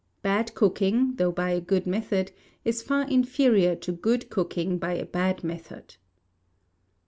Bad cooking, though by a good method, is far inferior to good cooking by a bad method.